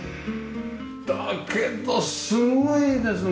だけどすごいですね。